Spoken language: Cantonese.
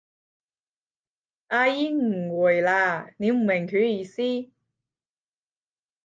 阿姨誤會喇，你唔明佢意思？